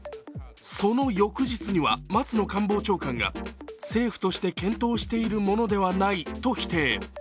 その翌日には松野官房長官が政府として検討しているものではないと否定。